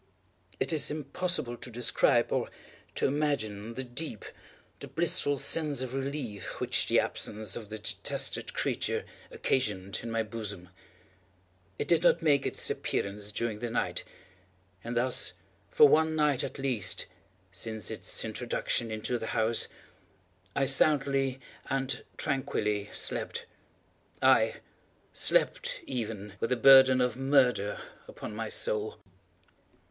It is impossible to describe, or to imagine, the deep, the blissful sense of relief which the absence of the detested creature occasioned in my bosom. It did not make its appearance during the night; and thus for one night at least, since its introduction into the house, I soundly and tranquilly slept; aye, slept even with the burden of murder upon my soul!